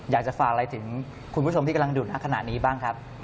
อยากจะฝากอะไรถึงคุณผู้ชมที่กำลังดุณขณะนี้บ้างครับ